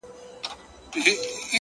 • پاڅېدلی خروښېدلی په زمان کي,